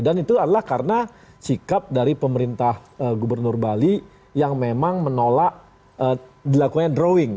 dan itu adalah karena sikap dari pemerintah gubernur bali yang memang menolak dilakukannya drawing